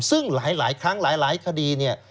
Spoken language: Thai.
ซึ่งหลายครั้งหลายคดีเนี่ย